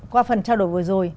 qua phần trao đổi vừa rồi